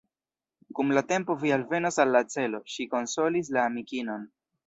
Kun la tempo vi alvenos al la celo, ŝi konsolis la amikinon.